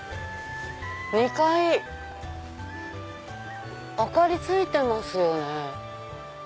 ２階明かりついてますよね。